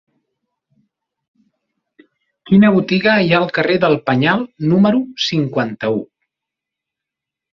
Quina botiga hi ha al carrer del Penyal número cinquanta-u?